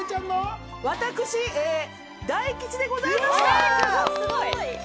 私、大吉でございました。